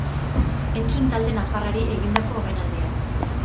Entzun talde nafarrari egindako omenaldia.